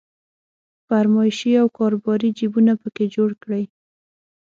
فرمایشي او کاروباري جيبونه په کې جوړ کړي.